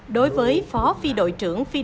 đối với phó phi đội trưởng phi đội